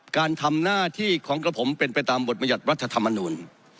การทำหน้าที่ของกระผมเป็นไปตามบทบรรยัติรัฐธรรมนูล